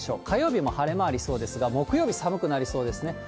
火曜日も晴れ間ありそうですが、木曜日、寒くなりそうですね。